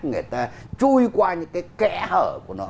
người ta chui qua những cái kẽ hở của nó